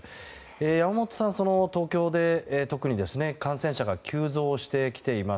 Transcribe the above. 山本さん、東京で特に感染者が急増してきています。